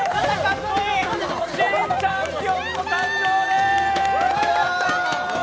新チャンピオンの誕生です！